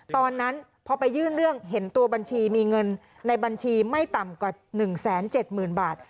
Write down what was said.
ตอนนั้นพอไปยื่นเรื่องเห็นตัวบัญชีมีเงินในบัญชีไม่ต่ำกว่า๑๗๐๐๐บาท